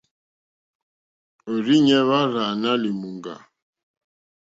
Òrzìɲɛ́ hwá rzâ nà lìmùŋɡà.